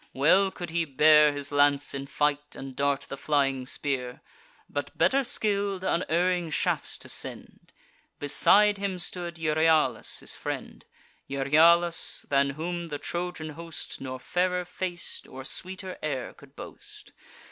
Well could he bear His lance in fight, and dart the flying spear, But better skill'd unerring shafts to send. Beside him stood Euryalus, his friend: Euryalus, than whom the Trojan host No fairer face, or sweeter air, could boast.